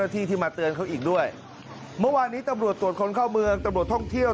ตำรวจตรวจคนเข้าเมืองตำรวจท่องเที่ยว